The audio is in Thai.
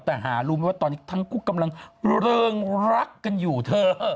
แต่หารู้ไหมว่าตอนนี้ทั้งคู่กำลังเริงรักกันอยู่เธอ